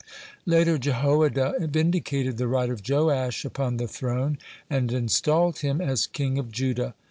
(8) Later Jehoiada vindicated the right of Joash upon the throne, and installed him as king of Judah.